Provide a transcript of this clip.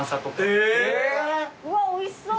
うわおいしそう。